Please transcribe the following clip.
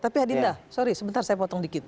tapi adinda sorry sebentar saya potong dikit